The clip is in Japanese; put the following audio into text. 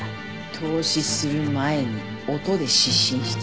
凍死する前に音で失神していた。